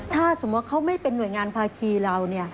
ถ้าสมมุติเขาไม่เป็นหน่วยงานภาคีเรา